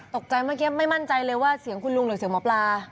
ตกใจเมื่อกี้ไม่มั่นใจเลยว่าเสียงคุณลุงหรือเสียงหมอปลา